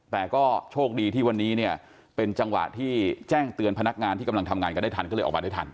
แต่ก็โชคดีที่วันนี้เนี่ยเป็นจังหวะที่แจ้งเตือนพนักงานที่กำลังทำงานกันได้ทันก็เลยออกมาได้ทัน